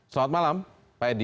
selamat malam pak edy